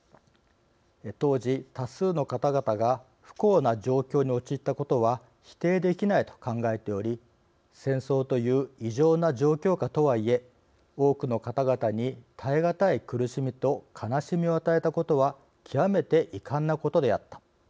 「当時、多数の方々が不幸な状況に陥ったことは否定できないと考えており戦争という異常な状況下とはいえ多くの方々に耐えがたい苦しみと悲しみを与えたことは極めて遺憾なことであった」